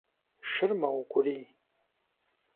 Шыр мэукӀурий…